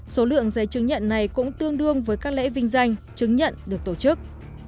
số lượng giấy chứng nhận này cũng tương đương với các lễ vinh danh chứng nhận được tổ chức